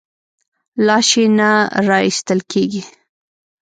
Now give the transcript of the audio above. لاش یې نه راایستل کېږي.